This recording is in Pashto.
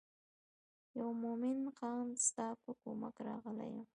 یم مومن خان ستا په کومک راغلی یم.